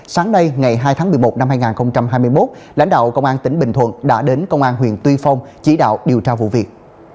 sáng nay ngày hai tháng một mươi một năm hai nghìn hai mươi một lãnh đạo công an tỉnh bình thuận đã đến công an huyện tuy phong chỉ đạo điều tra vụ việc